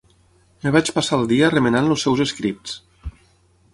Em vaig passar el dia remenant els seus escrits.